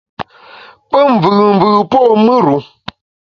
Pe mvùùmvù po mùr-u.